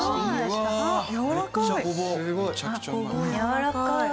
やわらかい！